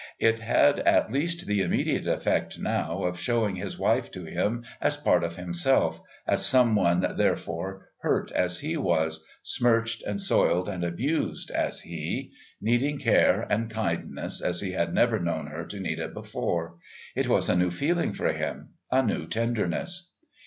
It had at least the immediate effect now of showing his wife to him as part of himself, as some one, therefore, hurt as he was, smirched and soiled and abused as he, needing care and kindness as he had never known her to need it before. It was a new feeling for him, a new tenderness.